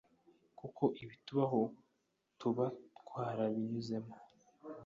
kuko ibitubaho tuba twarabinyuzemo